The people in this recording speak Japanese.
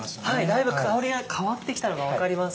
だいぶ香りが変わってきたのが分かります。